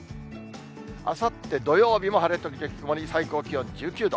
あさって土曜日も晴れ時々曇り、最高気温１９度。